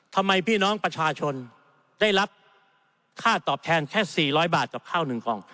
พี่น้องประชาชนได้รับค่าตอบแทนแค่๔๐๐บาทกับข้าว๑กล่อง